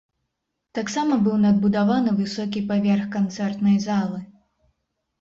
Таксама быў надбудаваны высокі паверх канцэртнай залы.